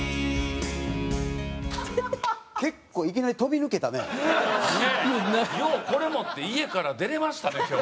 結構いきなりようこれ持って家から出れましたね今日。